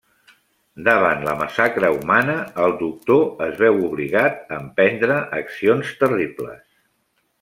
Davant la massacra humana, el Doctor es veu obligat a emprendre accions terribles.